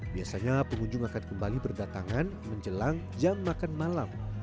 biasanya pengunjung akan kembali berdatangan menjelang jam makan malam